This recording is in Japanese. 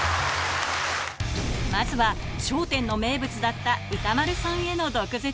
まずは、笑点の名物だった歌丸さんへの毒舌。